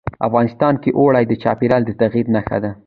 افغانستان کې اوړي د چاپېریال د تغیر نښه ده.